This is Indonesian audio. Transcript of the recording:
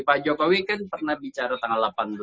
pak jokowi kan pernah bicara tanggal delapan belas